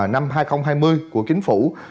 năm hai nghìn hai mươi của chính phủ